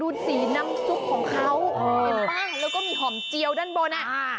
ดูสีน้ำซุกของเขาแล้วก็มีหอมเจียวด้านบน